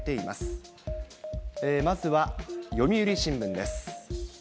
まずは読売新聞です。